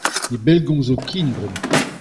Ne bellgomzo ken bremañ.